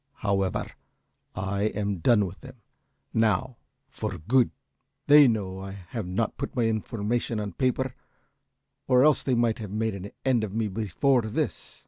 However, I am done with them, now, for good. They know that I have not put my information on paper, or else they might have made an end of me before this."